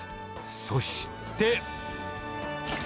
そして。